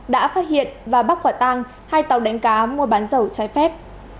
đã phát hiện và bác quả tăng hai tàu đánh cá mua bán dầu trái phép